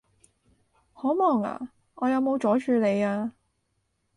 好忙呀？我有冇阻住你呀？